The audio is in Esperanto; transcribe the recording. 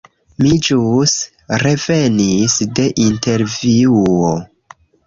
Mi ĵus revenis de intervjuo.